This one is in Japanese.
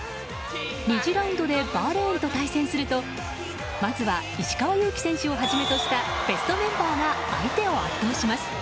２次ラウンドでバーレーンと対戦するとまずは石川祐希選手をはじめとしたベストメンバーが相手を圧倒します。